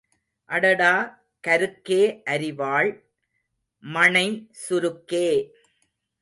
அடடா கருக்கே அரிவாள் மணை சுருக்கே!